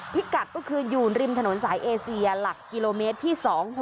พิกัดก็คืออยู่ริมถนนสายเอเซียหลักกิโลเมตรที่๒๖